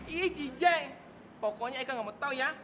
ih jijay pokoknya eka gak mau tau ya